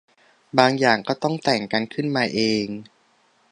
บางอย่างก็ต้องแต่งกันขึ้นมาเอง